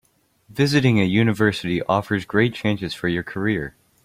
Visiting a university offers great chances for your career.